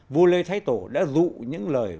vua lê thái tổ đã dụ những lời